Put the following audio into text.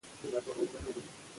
علیشه، لنگر، کولک، شیخ یاسین.